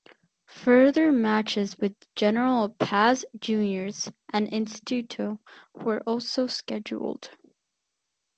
Further matches with General Paz Juniors and Instituto were also scheduled.